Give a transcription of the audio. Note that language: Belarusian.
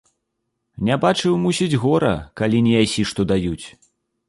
Не бачыў, мусіць, гора, калі не ясі, што даюць.